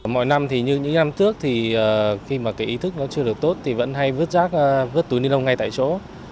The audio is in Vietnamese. mọi năm thì như những năm trước thì khi mà cái ý thức nó chưa được tốt thì vẫn hay vứt rác vứt túi ni lông ngay tại chỗ